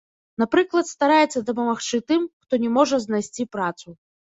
Напрыклад, стараецца дапамагчы тым, хто не можа знайсці працу.